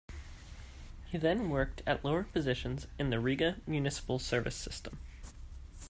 He then worked at lower positions in the Riga municipal service system.